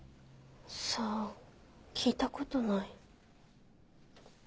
さあ聞いた事ない。